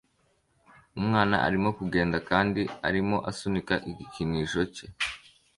Umwana arimo kugenda kandi arimo asunika igikinisho cye